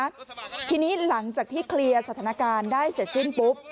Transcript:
ทีนี้หลังจากที่เคลียร์สถานการณ์ได้เสร็จสิ้นปุ๊บ